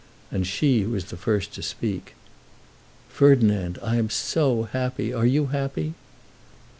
And she was the first to speak: "Ferdinand, I am so happy! Are you happy?"